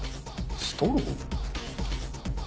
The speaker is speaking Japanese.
ストロー？